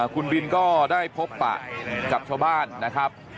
คุณบิลก็ได้พบตายนี้จับช่วงบ้านนะครับ